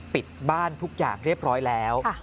ปิดบ้านทุกอย่างเรียบร้อยแล้ว